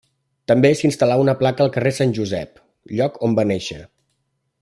També s'instal·là una placa al carrer Sant Josep, lloc on va néixer.